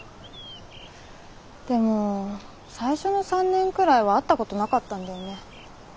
でも最初の３年くらいは会ったことなかったんだよね。